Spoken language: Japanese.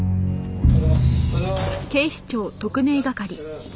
おはようございます。